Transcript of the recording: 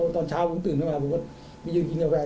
ตอนเช้าผมตื่นขึ้นมาผมก็ไปยืนกินกาแฟ